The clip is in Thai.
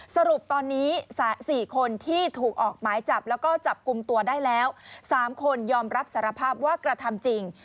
สรุปตอนนี้๔คนที่ถูกออกหมายจับแล้วก็จับกลุ่มตัวได้แล้ว๓คนยอมรับสารภาพว่ากระทำจริง